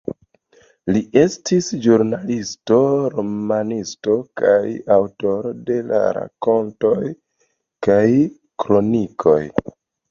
Li estis ĵurnalisto, romanisto kaj aŭtoro de rakontoj kaj kronikoj.